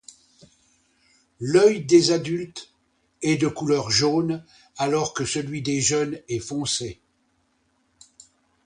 L'œil des adultes est de couleur jaune, alors que celui des jeunes est foncé.